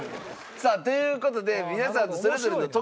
さあという事で皆さんそれぞれの得意不得意